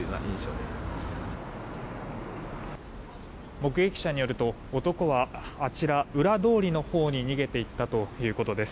目撃者によると男は裏通りのほうに逃げていったということです。